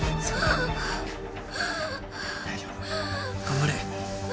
頑張れ。